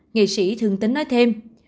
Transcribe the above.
nghệ sĩ thương tín nói thêm